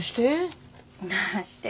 なして？